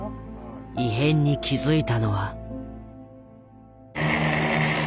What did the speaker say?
異変に気付いたのは。